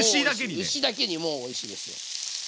牛だけにモーおいしいです。